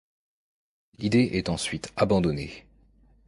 L'idée est ensuite abandonnée.